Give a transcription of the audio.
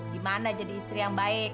gimana jadi istri yang baik